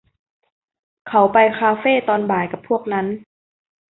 เขาไปคาเฟตอนบ่ายกับพวกนั้น